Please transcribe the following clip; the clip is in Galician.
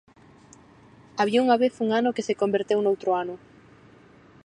Había unha vez un ano que se converteu noutro ano.